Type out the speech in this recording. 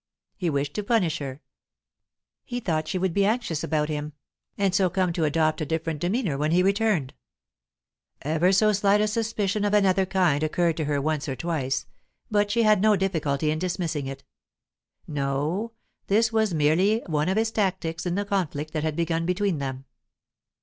He wished to punish her; he thought she would be anxious about him, and so come to adopt a different demeanour when he returned. Ever so slight a suspicion of another kind occurred to her once or twice, but she had no difficulty in dismissing it. No; this was merely one of his tactics in the conflict that had begun between them.